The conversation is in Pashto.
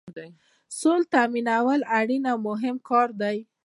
د سوکالۍ تامینول اړین او مهم کار دی.